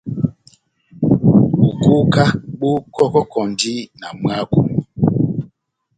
Bokoka bó kɔkɔkɔndi na mwáko.